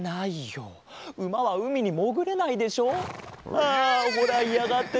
ああほらいやがってるし。